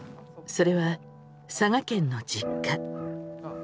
それは佐賀県の実家。